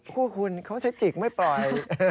คู่คุณเขาใช้จิกไม่ปล่อย